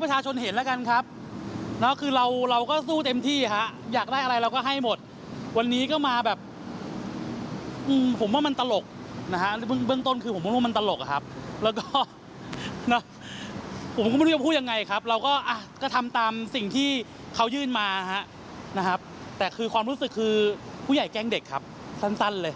แต่คือความรู้สึกคือผู้ใหญ่แกล้งเด็กครับสั้นเลย